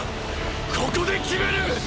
ここで決める！！